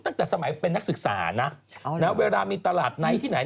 ตั้งแต่สมัยเป็นนักศึกษานะเวลามีตลาดไนท์ที่ไหน